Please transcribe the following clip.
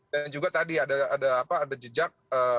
dan juga tadi ada jejak